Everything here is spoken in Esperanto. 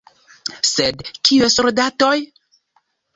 Sed kiuj soldatoj?